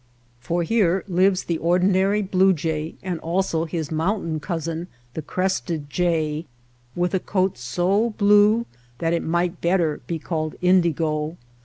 For here lives the ordinary blue jay and also his mountain cousin, the crested jay, with a coat so blue that it might better be called indigo.